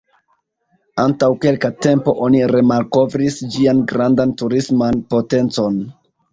Antaŭ kelka tempo oni remalkovris ĝian grandan turisman potencon.